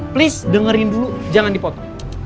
please dengerin dulu jangan dipotong